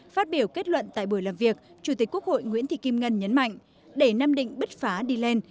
phát biểu kết luận tại buổi làm việc chủ tịch quốc hội nguyễn thị kim ngân nhấn mạnh để nam định bứt phá đi lên